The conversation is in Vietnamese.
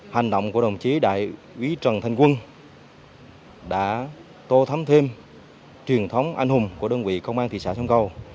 hành động của đồng chí đại úy trần thanh quân đã tô thấm thêm truyền thống anh hùng của đơn vị công an thị xã xuân cầu